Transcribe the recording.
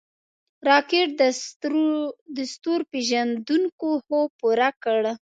راکټ د ستورپیژندونکو خوب پوره کړ